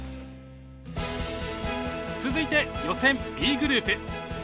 続いて予選Ｂグループ。